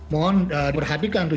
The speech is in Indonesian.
mohon diperhatikan tuh